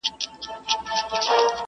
لا د مرګ په خوب ویده دی،!